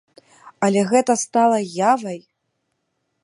Але гэта стала явай!